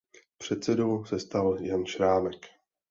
Předsedou se stal Jan Šrámek.